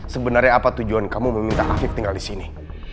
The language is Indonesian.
sebenernya apa tujuan kamu meminta afif tinggal disini